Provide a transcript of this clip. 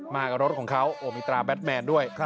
มากับรถของเขาโอ้มีตราแดดแมนด้วย